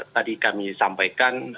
tadi kami sampaikan